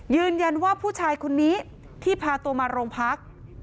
ยืนยันว่าผู้ชายคนนี้ที่พาตัวมาโรงพัก